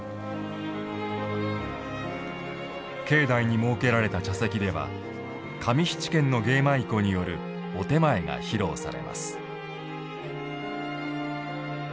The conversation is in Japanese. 境内に設けられた茶席では上七軒の芸舞妓によるお点前が披露されます。